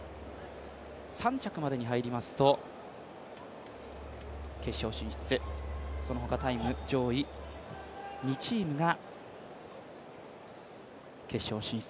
３着までに入りますと決勝進出、その他タイム上位２チームが決勝進出。